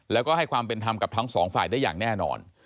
แล้วก็ให้ความเป็นธรรมกับทั้งสองฝ่ายได้อย่างแน่นอน